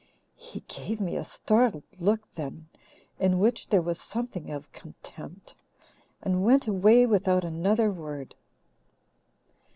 He gave me a startled look then, in which there was something of contempt, and went away without another word.